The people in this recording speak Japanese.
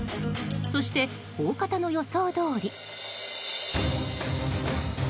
そして、大方の予想どおり。